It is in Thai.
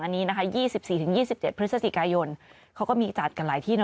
อันนี้นะคะ๒๔๒๗พฤศจิกายนเขาก็มีจัดกันหลายที่นะ